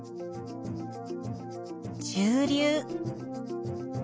中流。